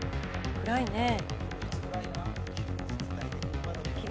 暗いねえ。